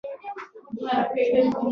د ښو پایله ښه او د بدو پایله بده وي.